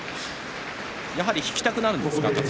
やはり引きたくなるんですか？